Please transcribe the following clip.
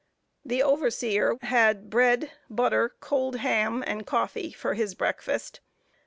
The overseer had bread, butter, cold ham, and coffee for his breakfast.